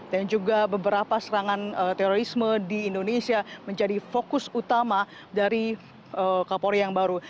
dan juga beberapa serangan turisme di indonesia menjadi fokus utama dari kapolri yang baru